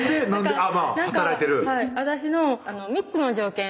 はい私の３つの条件